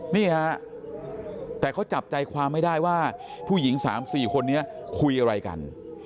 นี่ฮะแต่เขาจับใจความไม่ได้ว่าผู้หญิง๓๔คนนี้คุยอะไรกัน